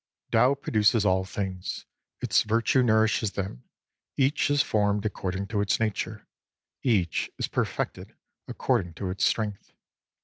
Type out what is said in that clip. Tao produces all things ; its Virtue nourishes them ; each is formed according to its nature ; each is perfected according to its strength.